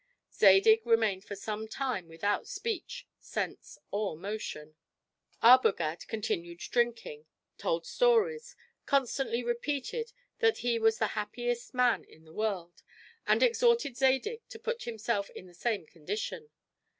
Zadig remained for some time without speech, sense, or motion. Arbogad continued drinking; told stories; constantly repeated that he was the happiest man in the world; and exhorted Zadig to put himself in the same condition.